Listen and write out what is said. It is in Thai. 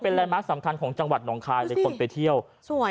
เป็นแรงมาสสำคัญของจังหวัดนองคลายในคนไปเที่ยวสวยอ่ะ